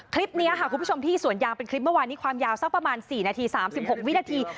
คลิปนี้ค่ะคุณผู้ชมที่สวนยางเป็นคลิปเมื่อวานนี้ความยาวสักประมาณ๔นาที๓๖วินาที